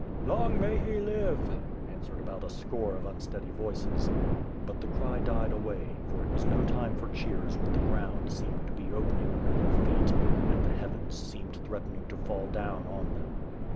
"Long may he live/' answered abou<t a score of unsteady voices. But the cry died away, for it was no time for cheers when the ground seemed to be opening under their feet, and the heavens seemed threatening to fall down on them.